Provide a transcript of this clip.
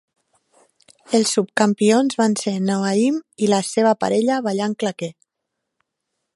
Els subcampions van ser Naoimh i la seva parella ballant claqué.